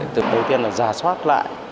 đầu tiên là giả soát lại